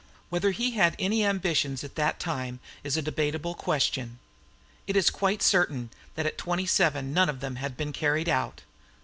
Whether he had any ambitions at that time is a debatable question. It is quite certain that at twenty seven none of them had been carried out.